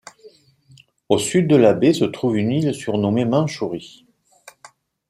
Au sud de la baie se trouve une île surnommée Mandchourie.